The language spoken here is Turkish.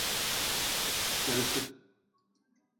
Karısı…